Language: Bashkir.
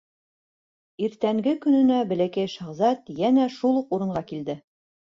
Иртәнге көнөнә Бәләкәй шаһзат йәнә шул уҡ урынға килде.